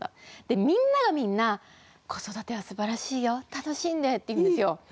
みんながみんな「子育てはすばらしいよ楽しんで」って言うんですよ。